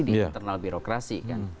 di internal birokrasi